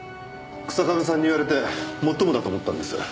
日下部さんに言われてもっともだと思ったんです。